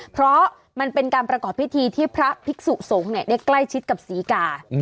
เพราะมันเป็นการประกอบพิธีที่พระภิกษุสงฆ์ได้ใกล้ชิดกับศรีกา